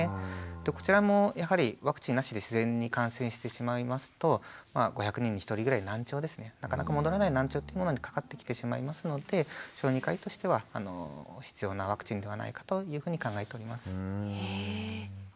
こちらもやはりワクチンなしで自然に感染してしまいますとまあ５００人に１人ぐらい難聴ですねなかなか戻らない難聴というものにかかってきてしまいますので小児科医としては必要なワクチンではないかというふうに考えております。